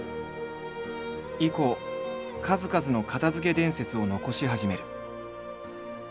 以降数々の片づけ伝説を残し始める。